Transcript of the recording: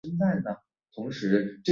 买这本书的再版